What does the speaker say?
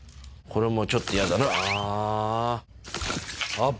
これもうちょっとやだな、あー。